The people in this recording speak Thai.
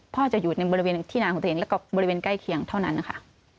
จะอยู่ในบริเวณที่นาของตัวเองแล้วก็บริเวณใกล้เคียงเท่านั้นนะคะ